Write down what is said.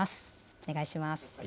お願いします。